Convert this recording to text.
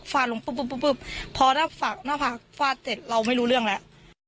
ฟาดลงปุ๊บปุ๊บปุ๊บพอหน้าฝากหน้าฝากฟาดเสร็จเราไม่รู้เรื่องแล้ว